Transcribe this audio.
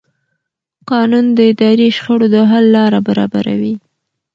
قانون د اداري شخړو د حل لاره برابروي.